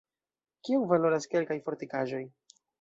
“Kion valoras kelkaj fortikaĵoj!